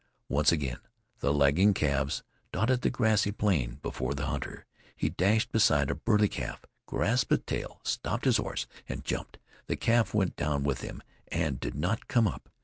Once again the lagging calves dotted the grassy plain before the hunter. He dashed beside a burly calf, grasped its tail, stopped his horse, and jumped. The calf went down with him, and did not come up.